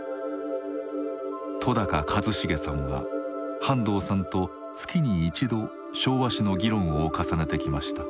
戸一成さんは半藤さんと月に１度昭和史の議論を重ねてきました。